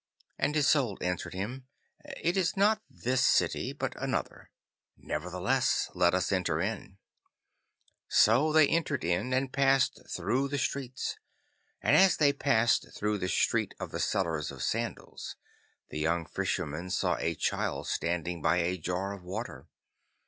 And his Soul answered him, 'It is not this city, but another. Nevertheless let us enter in.' So they entered in and passed through the streets, and as they passed through the Street of the Sellers of Sandals, the young Fisherman saw a child standing by a jar of water.